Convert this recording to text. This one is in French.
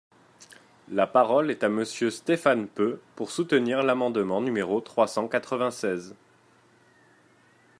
La parole est à Monsieur Stéphane Peu, pour soutenir l’amendement numéro trois cent quatre-vingt-seize.